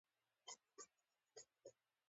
سر ته مې يو شى لکه سيورى چورلېده.